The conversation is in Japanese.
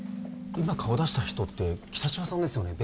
今顔出した人って北芝さんですよね